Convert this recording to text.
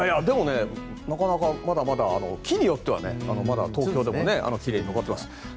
でも、なかなかまだまだ木によってもまだ東京でも奇麗に残っています。